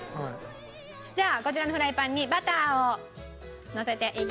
じゃあこちらのフライパンにバターをのせていきます。